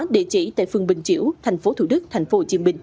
địa chỉ tại phường bình chiểu tp thủ đức tp hcm